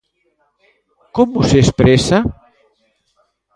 Como se expresa?